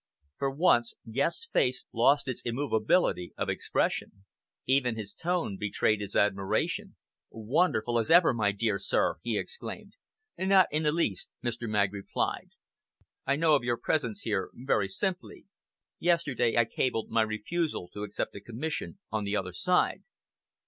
For once Guest's face lost its immovability of expression. Even his tone betrayed his admiration. "Wonderful as ever, my dear sir!" he exclaimed. "Not in the least," Mr. Magg replied. "I know of your presence here very simply. Yesterday I cabled my refusal to accept a commission on the other side."